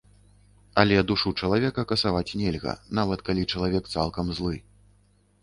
Але душу чалавека касаваць нельга, нават калі чалавек цалкам злы.